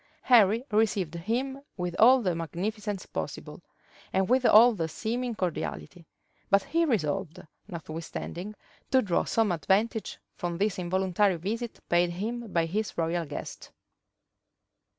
Henry received him with all the magnificence possible, and with all the seeming cordiality; but he resolved, notwithstanding, to draw some advantage from this involuntary visit paid him by his royal guest.